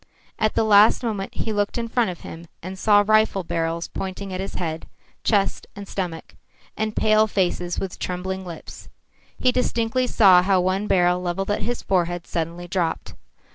At the last moment he looked in front of him and saw rifle barrels pointing at his head, chest and stomach, and pale faces with trembling lips. He distinctly saw how one barrel levelled at his forehead suddenly dropped.